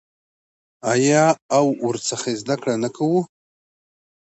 آیا او ورڅخه زده کړه نه کوو؟